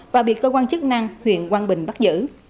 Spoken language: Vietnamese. và bị cơ quan chức năng huyện quang bình bắt giữ